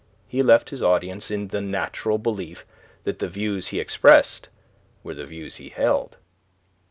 He left his audience in the natural belief that the views he expressed were the views he held.